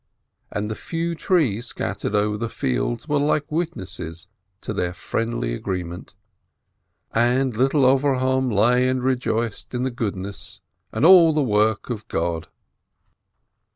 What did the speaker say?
and the few trees scattered over the fields were like witnesses to their friendly agreement. And little Avrohom lay and rejoiced in the goodness and all the work of God.